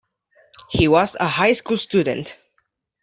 He was a high school student.